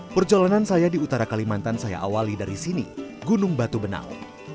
perjalanan saya di utara kalimantan saya awali dari sini gunung batu benau